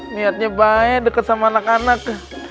niatnya baik deket sama anak anak